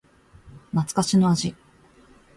懐かしの味